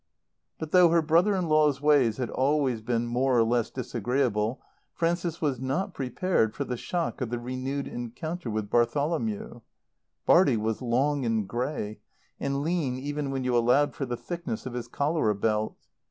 But though her brother in law's ways had always been more or less disagreeable, Frances was not prepared for the shock of the renewed encounter with Bartholomew. Bartie was long and grey, and lean even when you allowed for the thickness of his cholera belt.